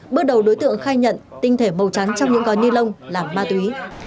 bước đầu đối tượng khai nhận tinh thể màu trắng trong những gói ni lông là ma túy